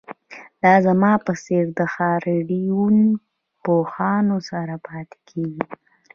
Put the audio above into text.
دا زما په څیر د هارډویر پوهانو سره پاتې کیږي